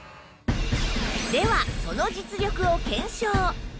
ではその実力を検証！